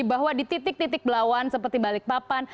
bahwa di titik titik belawan seperti balikpapan